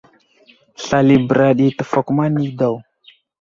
Slal i bəra ɗi təfakuma nay daw.